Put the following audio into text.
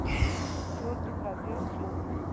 شور دومره زیات شو.